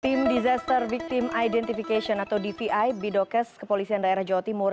tim disaster victim identification atau dvi bidokes kepolisian daerah jawa timur